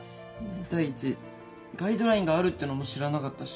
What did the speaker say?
第一ガイドラインがあるってのも知らなかったし。